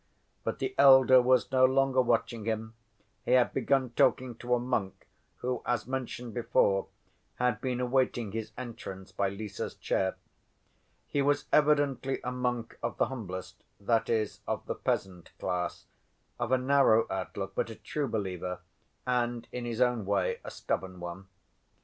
But the elder was no longer watching him. He had begun talking to a monk who, as mentioned before, had been awaiting his entrance by Lise's chair. He was evidently a monk of the humblest, that is of the peasant, class, of a narrow outlook, but a true believer, and, in his own way, a stubborn one.